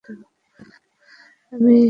আমি আপস করছি।